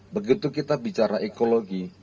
begitu kita bicara ekologi